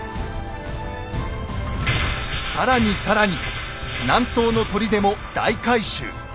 更に更に南東の砦も大改修。